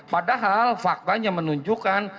padahal faktanya menunjukkan